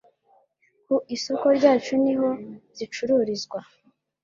Ku isoko ryacu niho zicururizwa